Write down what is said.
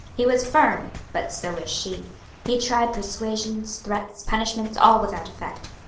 He was firm, but so was she. He tried persuasions, threats, punishments all without effect.